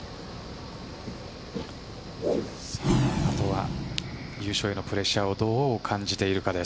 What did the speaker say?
あとは優勝へのプレッシャーをどう感じているか。